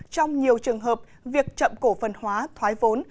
trong nhiều trường hợp việc chậm cổ phần hóa thoái vốn